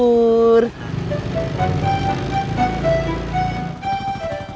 pur kenapa tadi lo selalu nanti rodan